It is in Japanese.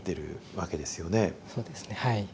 そうですねはい。